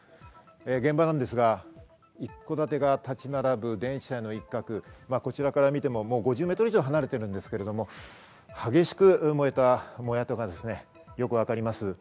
現場ですが、一戸建てが立ち並ぶ一角、こちらから見ても５０ｍ以上離れてるんですけれども激しく燃えた後がよくわかります。